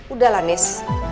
udah lah nis